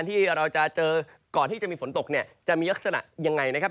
ที่เราจะเจอก่อนที่จะมีฝนตกเนี่ยจะมีลักษณะยังไงนะครับ